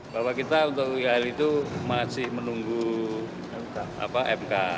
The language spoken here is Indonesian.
bahwa kita untuk whl itu masih menunggu mk